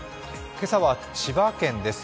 今朝は千葉県です。